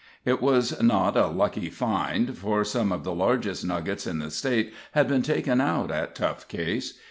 It was not a lucky "find," for some of the largest nuggets in the State had been taken out at Tough Case.